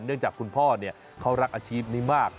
เนื่องจากคุณพ่อเนี่ยเขารักอาชีพนี้มาก